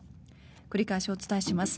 繰り返しお伝えします。